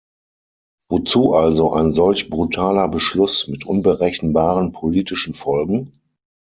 Wozu also ein solch brutaler Beschluss mit unberechenbaren politischen Folgen?